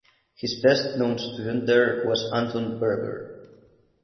His best known student there was Anton Burger.